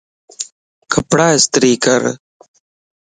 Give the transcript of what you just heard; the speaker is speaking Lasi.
ڪپڙا استري ڪَر